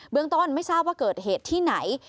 เรื่องต้นไม่ทราบว่าเกิดเหตุที่ไหน